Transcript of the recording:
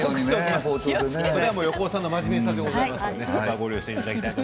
横尾さんの真面目さでございますので。